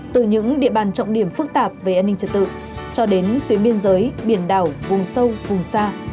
từ những địa bàn trọng điểm phức tạp về an ninh trật tự cho đến tuyến biên giới biển đảo vùng sâu vùng xa